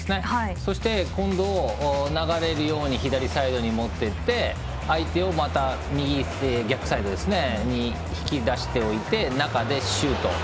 そして今度流れるように左サイドに持っていって相手を右、逆サイドに引き出しておいて中でシュート。